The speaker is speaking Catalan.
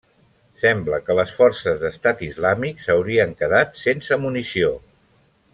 Sembla que les forces d'Estat Islàmic s'haurien quedat sense munició.